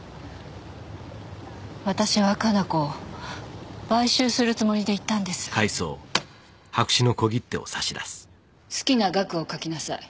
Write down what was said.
私は加奈子を買収するつもりで行ったんです好きな額を書きなさい